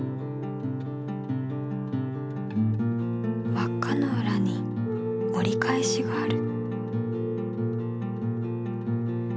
わっかのうらに折り返しがある。